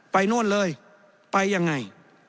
โน่นเลยไปยังไง